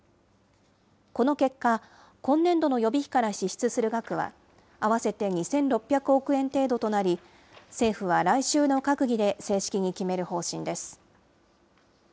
この結果、今年度の予備費から支出する額は、合わせて２６００億円程度となり、政府は来週の閣議で正式に決める方針です。